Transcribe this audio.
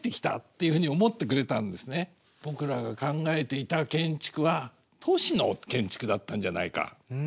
僕らが考えていた建築は都市の建築だったんじゃないか。